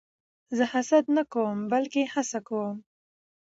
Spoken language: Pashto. زه حسد نه کوم؛ بلکې هڅه کوم.